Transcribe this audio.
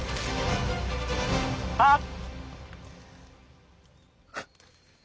あっ！